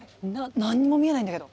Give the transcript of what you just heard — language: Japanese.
何にも見えないんだけど。